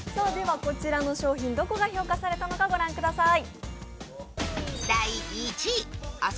こちらの商品、どこが評価されたのか御覧ください。